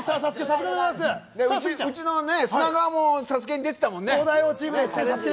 うちの砂川も「ＳＡＳＵＫＥ」に出ていたもんね。